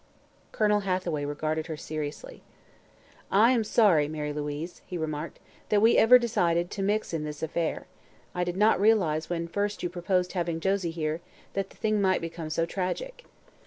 Colonel Hathaway regarded her seriously. "I am sorry, Mary Louise," he remarked, "that we ever decided to mix in this affair. I did not realize, when first you proposed having Josie here, that the thing might become so tragic."